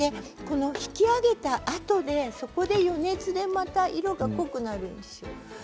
この引き上げたあとでそこで余熱でまた色が濃くなります。